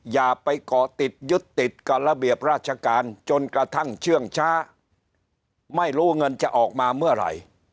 อย่าไปก่อติดยึดติดกับระเบียบราชการจนกระทั่งเชื่องช้าไม่รู้เงินจะออกมาเมื่อไหร่